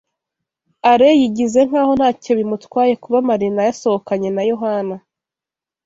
Alain yigize nkaho ntacyo bimutwaye kuba Marina yasohokanye na Yohana.